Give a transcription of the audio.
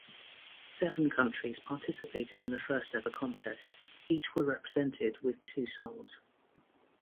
Seven countries participated in the first ever contest, each were represented with two songs.